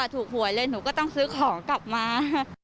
หวยเลยหนูก็ต้องซื้อของกลับมา